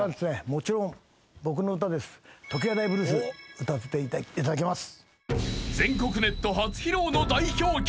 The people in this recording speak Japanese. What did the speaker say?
もちろん僕の歌です。